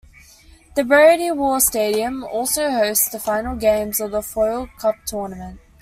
The Brandywell Stadium also hosts the final games of the Foyle Cup tournament.